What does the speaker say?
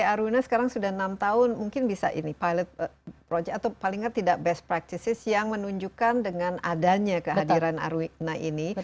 aruna sekarang sudah enam tahun mungkin bisa ini pilot project atau paling tidak best practices yang menunjukkan dengan adanya kehadiran aruyna ini